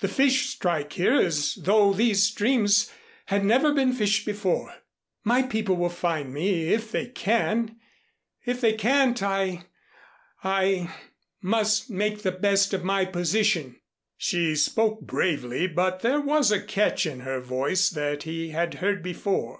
"The fish strike here as though these streams had never been fished before. My people will find me, if they can; if they can't I I must make the best of my position." She spoke bravely, but there was a catch in her voice that he had heard before.